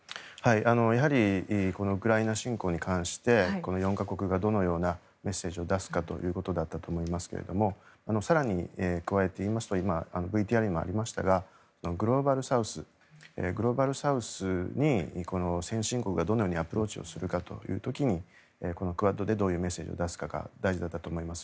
やはりこのウクライナ侵攻に関してこの４か国がどのようなメッセージを出すかということだったと思いますが更に加えて言いますと今、ＶＴＲにもありましたがグローバルサウスに先進国がどのようにアプローチをするかという時にこのクアッドでどういうメッセージを出すかが大事だったと思います。